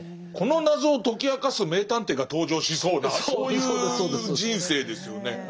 この謎を解き明かす名探偵が登場しそうなそういう人生ですよね。